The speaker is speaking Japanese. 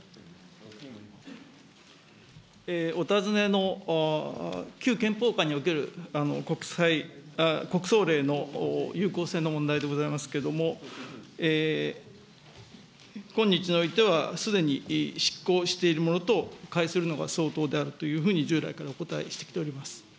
お尋ねの旧憲法下における国葬令の有効性の問題でございますけれども、今日においてはすでに失効しているものと解するのが相当であるというふうに従来からお答えしてきております。